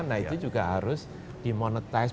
nah itu juga harus dimonetize